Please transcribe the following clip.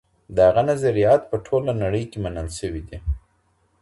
د هغه نظریات په ټوله نړۍ کي منل سوي دي.